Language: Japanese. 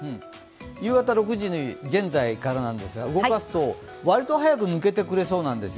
夕方６時、現在から動かすと割と早く抜けてくれそうなんですよ。